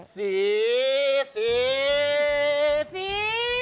สีสีสี